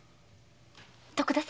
徳田様